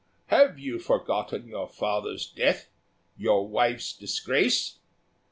have you forgotten your father's death, your wife's disgrace?"